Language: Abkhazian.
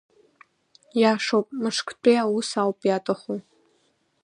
Ииашоуп, мышктәи аус ауп иаҭаху.